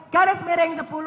garis mering sepuluh